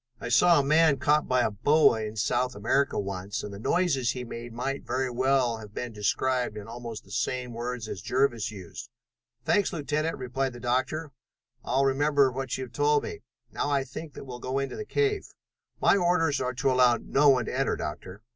I saw a man caught by a boa in South America once, and the noises he made might very well have been described in almost the same words as Jervis used." "Thanks, Lieutenant," replied the Doctor. "I'll remember what you have told me. Now I think that we'll go into the cave." "My orders are to allow no one to enter, Doctor."